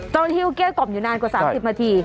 ต้องที่เขาเกลี้ยกล่อมอยู่นานกว่า๓๐นาที